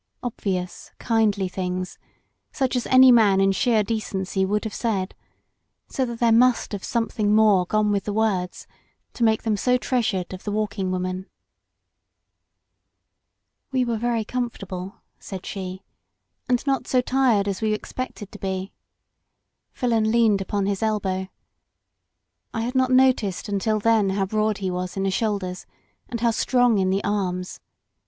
Obvious, kind ly things, such as any man in sheer decency would have said, so that there must have some LOST BORDERS thing more gone with the words to make them so treasured of the Walking Woman. "We were very comfortable," said she, "and not so tired as we expected to be. Filon leaned up on his elbow. I had not noticed until then how broad he was in the shoulders, and how strong in the arms.